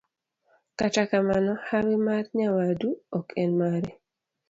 Kata kamano, hawi mar nyawadu ok en mari.